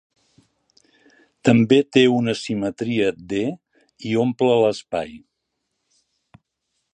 També té una simetria d i omple l'espai.